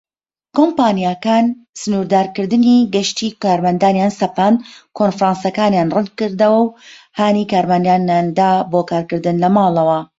کۆمپانیاکان سنوردارکردنی گەشتی کارمەندانیان سەپاند، کۆنفرانسەکانیان ڕەتکردەوە، و هانی کارمەندانیاندا بۆ کارکردن لە ماڵەوە.